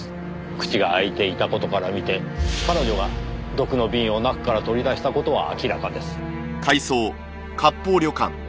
口が開いていた事から見て彼女が毒の瓶を中から取り出した事は明らかです。